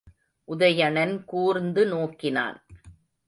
உதயணன் கூர்ந்து நோக்கினான்.